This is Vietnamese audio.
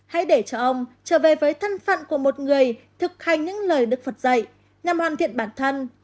hãy để cho ông trở về với thân phận của một người thực hành những lời đức phật dạy nhằm hoàn thiện bản thân